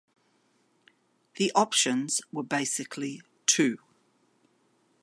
The options were basically two.